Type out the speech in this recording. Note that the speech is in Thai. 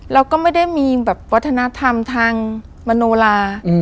เราก็ไม่ได้มีวัฒนธรรมทางโนราค่ะ